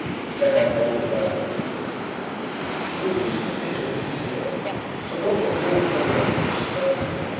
He cannot hold it out.' He called Mr Pitt a meteor; Sir Robert Walpole a fixed star.